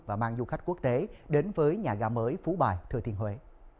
và mang du khách quốc tế đến với nhà ga mới phú bài thừa thiên huế